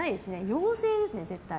妖精ですね、絶対。